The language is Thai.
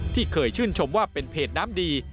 ที่เคยชื่นชมว่าเป็นเพจน้ำดี